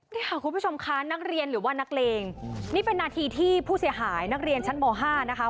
นี่ค่ะคุณผู้ชมค่ะนักเรียนหรือว่านักเลงนี่เป็นนาทีที่ผู้เสียหายนักเรียนชั้นม๕นะคะ